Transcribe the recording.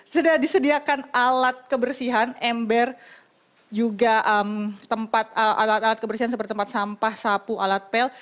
sudah disediakan alat kebersihan ember juga alat alat kebersihan seperti tempat sampah sapu alat pel